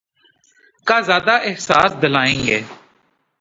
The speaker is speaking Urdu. کا زیادہ احساس دلائیں گی۔